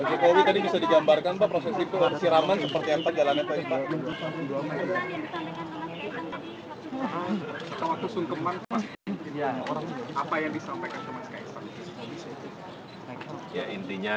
intinya kita sebagai orang tua